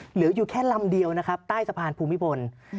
เหลืออยู่แค่ลำเดียวใต้สะพานภูมิผล